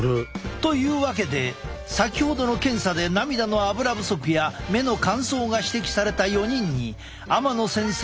というわけで先ほどの検査で涙のアブラ不足や目の乾燥が指摘された４人に天野先生